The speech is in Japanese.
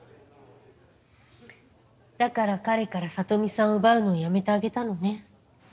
だから彼からサトミさんを奪うのをやめてあげたのね。